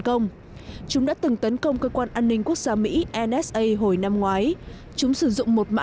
công chúng đã từng tấn công cơ quan an ninh quốc gia mỹ hồi năm ngoái chúng sử dụng một mã